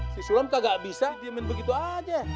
si sulam kagak bisa didiemin begitu aja